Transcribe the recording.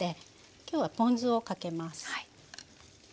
今日はポン酢をかけます。